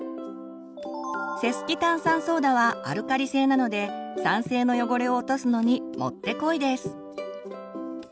セスキ炭酸ソーダはアルカリ性なので酸性の汚れを落とすのにもってこいです！